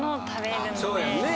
そうやんね。